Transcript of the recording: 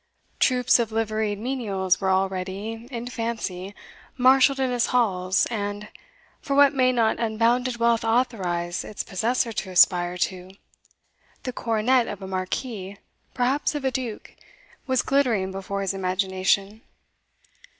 Troops of liveried menials were already, in fancy, marshalled in his halls, and for what may not unbounded wealth authorize its possessor to aspire to? the coronet of a marquis, perhaps of a duke, was glittering before his imagination.